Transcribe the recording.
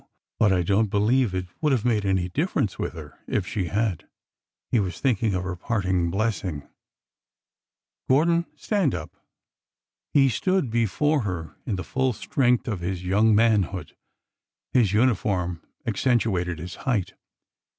But I don't believe it would have made any dif ference with her if she had." He was thinking of her parting blessing. '' Gordon ! Stand up." He stood before her in the full strength of his young manhood. His uniform accentuated his height.